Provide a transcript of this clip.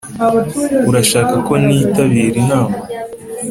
urashaka ko ntitabira inama?